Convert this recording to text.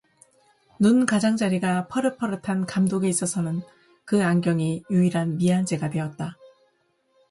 눈 가장자리가 퍼릇퍼릇한 감독에 있어서는 그 안경이 유일한 미안제가 되었다.